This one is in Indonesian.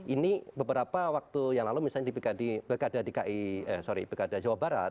ini beberapa waktu yang lalu misalnya di begada jawa barat